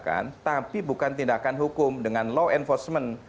kita menggunakan tindakan tapi bukan tindakan hukum dengan law enforcement